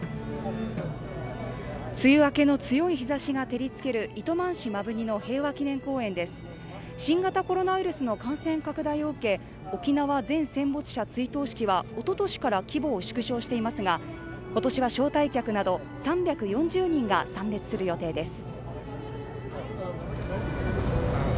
梅雨明けの強い日差しが照りつける糸満市摩文仁の平和祈念公園です新型コロナウイルスの感染拡大を受け沖縄全戦没者追悼式はおととしから規模を縮小していますが今年は招待客など３４０人が参列する予定です